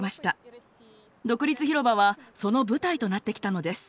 独立広場はその舞台となってきたのです。